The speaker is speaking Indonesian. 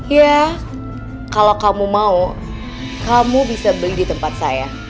ya kalau kamu mau kamu bisa beli di tempat saya